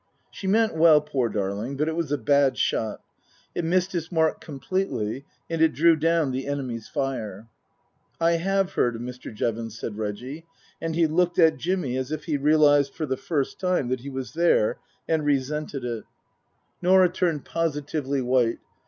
She meant well, poor darling, but it was a bad shot. It missed its mark completely, and it drew down the enemy's fire. " I have heard of Mr. Jevons," said Reggie, and he looked at Jimmy as if he realized for the first time that he was there, and resented it. 12 178 Tasker Jevons Norah turned positively white.